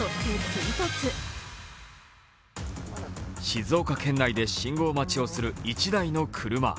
静岡県内で信号待ちをする１台の車。